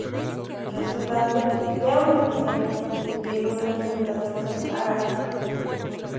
Josep Batlló era un empresario textil que dio gran libertad de acción al arquitecto.